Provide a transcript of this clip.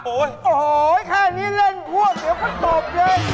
โอ้โหแค่นี้เล่นพวกเดี๋ยวก็ตบเลย